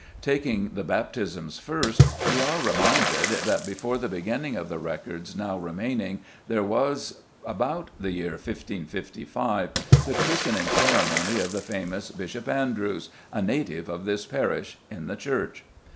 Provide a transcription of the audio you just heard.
Taking the baptisms first, we are reminded that before the beginning of the records now remaining there was, about the year 1555, the christening ceremony of the famous Bishop Andrewes, "a native of this parish," in the church.